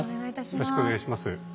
よろしくお願いします。